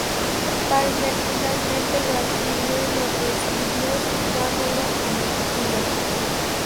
Palmer finalmente lo adquirió y lo reescribió situándolo en el futuro.